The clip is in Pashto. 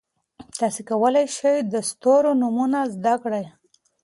تاسي کولای شئ د ستورو نومونه زده کړئ.